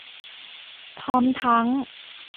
พร้อมทั้ง